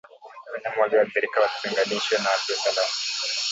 Wanyama walioathirika watenganishwe na walio salama